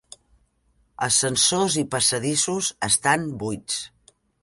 Ascensors i passadissos estan buits.